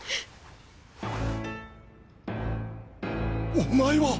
お前は！